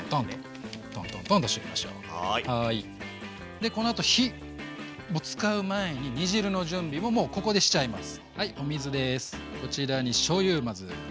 でこのあと火を使う前に煮汁の準備ももうここでしちゃいます。